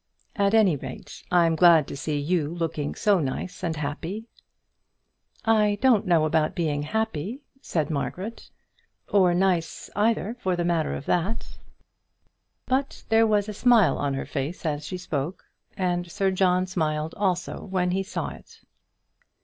At any rate, I'm glad to see you looking so nice and happy." "I don't know about being happy," said Margaret, "or nice either for the matter of that." But there was a smile on her face as she spoke, and Sir John smiled also when he saw it.